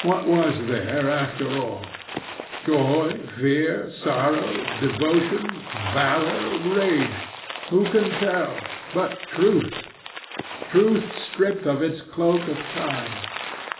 What was there after all? Joy, fear, sorrow, devotion, valor, rage who can tell? but truth truth stripped of its cloak of time.